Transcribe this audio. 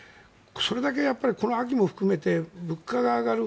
それだけこの秋も含めて物価が上がる。